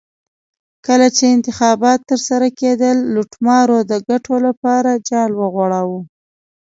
کله چې انتخابات ترسره کېدل لوټمارو د ګټو لپاره جال وغوړاوه.